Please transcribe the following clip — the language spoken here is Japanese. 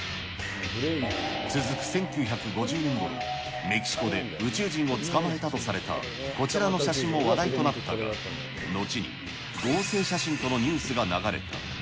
続く１９５０年ごろ、メキシコで宇宙人を捕まえたとされたこちらの写真も話題となったが、後に合成写真とのニュースが流れた。